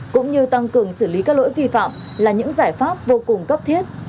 cũng như tăng cường xử lý các lỗi vi phạm là những giải pháp vô cùng cấp thiết